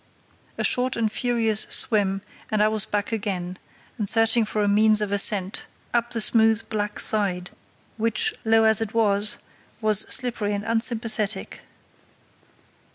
A short and furious swim and I was back again, searching for a means of ascent up the smooth black side, which, low as it was, was slippery and unsympathetic.